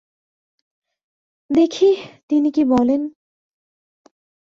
দেখি তিনি কী বলেন।